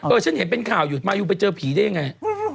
ฉันเห็นเป็นข่าวอยู่มายูไปเจอผีได้ยังไง